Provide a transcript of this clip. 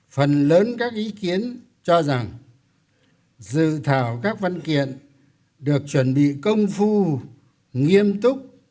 phần lớn các ý kiến cho rằng dự thảo các văn kiện được chuẩn bị công phu